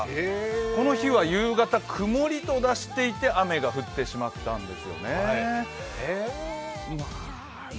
この日は夕方、曇りと出していて雨が降ってしまったんですよね、すみません。